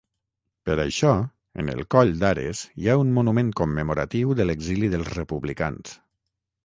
Per això, en el coll d'Ares hi ha un monument commemoratiu de l'exili dels republicans.